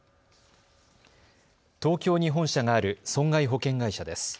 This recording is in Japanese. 東京に本社がある損害保険会社です。